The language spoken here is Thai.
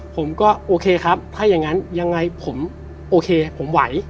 ผมก็โอเคครับถ้าอย่างนั้นยังไงผมโอเคผมไหว